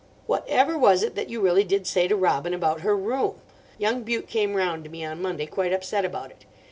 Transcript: "Whatever was it that you really did say to Robin about her room? Young Bute came round to me on Monday quite upset about it.